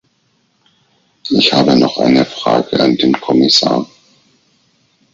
Ich habe noch eine Frage an den Kommissar.